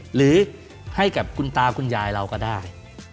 หรือให้กับคุณตาคุณยายเราก็ได้